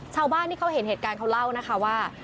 ชาวบ้านที่เขาเห็นเหตุการณ์เขาเล่านะคะว่า